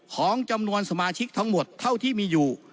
ของจำนวนสมาชิกทั้งหมดเท่าที่มีอยู่